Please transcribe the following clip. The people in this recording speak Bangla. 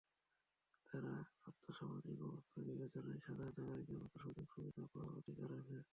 তারা আর্থসামাজিক অবস্থা বিবেচনায় সাধারণ নাগরিকের মতো সুযোগ-সুবিধা পাওয়ার অধিকার রাখে।